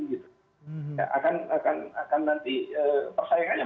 persaingannya menurut saya masih dalam batas yang wajar